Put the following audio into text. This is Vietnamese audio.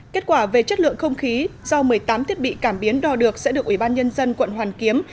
kết quả về chất lượng không khí do một mươi tám thiết bị cảm biến đo được sẽ được ủy ban nhân dân quận hoàn kiếm